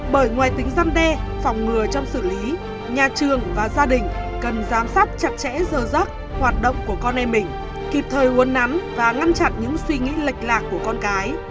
bởi ngoài tính gian đe phòng ngừa trong xử lý nhà trường và gia đình cần giám sát chặt chẽ giờ giấc hoạt động của con em mình kịp thời uốn nắn và ngăn chặn những suy nghĩ lệch lạc của con cái